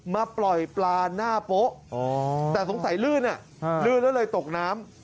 มาปล่อยปลาหน้าโป๊ะแต่สงสัยลื่นลื่นแล้วเลยตกน้ำ